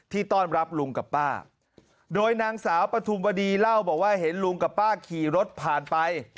ต้อนรับลุงกับป้าโดยนางสาวปฐุมวดีเล่าบอกว่าเห็นลุงกับป้าขี่รถผ่านไป